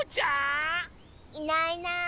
いないいない。